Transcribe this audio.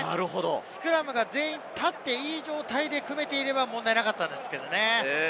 スクラムが全員立って、いい状態で組めていれば問題なかったんですけれどね。